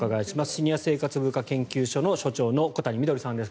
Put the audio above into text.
シニア生活文化研究所所長の小谷みどりさんです。